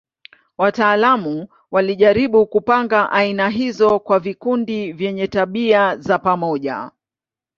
Wataalamu walijaribu kupanga aina hizo kwa vikundi vyenye tabia za pamoja.